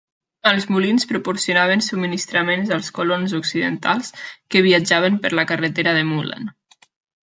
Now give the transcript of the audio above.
Els molins proporcionaven subministraments als colons occidentals que viatjaven per la carretera de Mullan.